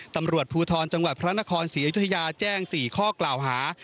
ตำรวจภูทรจังหวัดพระนครศรีอยุธยาแจ้ง๔ข้อกล่าวหา